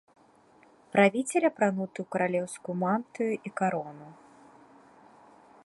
Правіцель апрануты ў каралеўскую мантыю і карону.